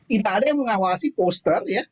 tidak ada yang mengawasi poster